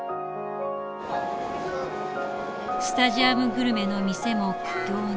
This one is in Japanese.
スタジアムグルメの店も苦境に。